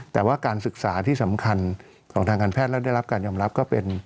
แต่ว่าการศึกษาที่สำคัญของทางการแพทย์แล้วได้รับการยอมรับก็เป็น